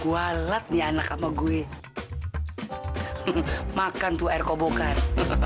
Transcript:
waletnya anak ama gue makan tuh air kobokan